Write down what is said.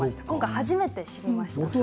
今回、初めて知りました。